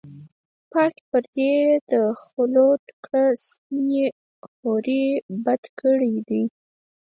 چاک پردې یې د خلوت کړه سپیني حوري، بد ګړی دی